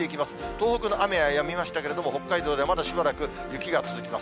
東北の雨はやみましたけれども、北海道ではまだしばらく雪が続きます。